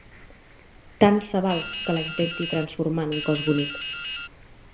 Tant se val que la intenti transformar en un cos bonic.